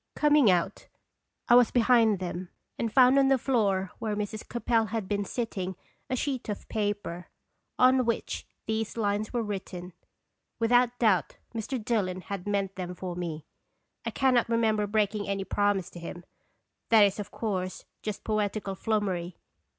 Coming out, I was behind them, and found on the floor where Mrs. Capel had been sitting a sheet of paper, on which these lines were written (without doubt, Mr. Dillon had meant them for me. I cannot remember breaking any promise to him that is, of course, just poetical flummery.